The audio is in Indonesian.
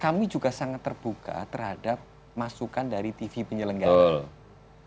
kami juga sangat terbuka terhadap masukan dari tv penyelenggara